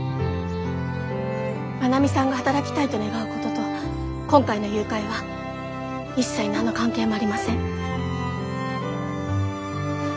真奈美さんが働きたいと願うことと今回の誘拐は一切何の関係もありません。